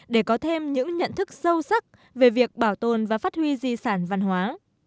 để có thêm những nhận thức sâu sắc về việc bảo tồn và phát huy di sản văn hóa